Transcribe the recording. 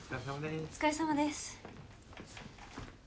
お疲れさまです。